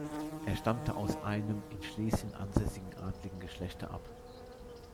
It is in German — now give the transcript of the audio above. Er stammte aus einem in Schlesien ansässigen adligen Geschlechte ab.